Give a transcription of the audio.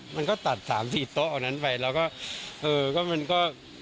มันก็ตัด๓๔โต๊ะออกนั้นไปแล้วก็